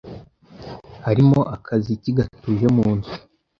harimo akaziki gatuje mu nzu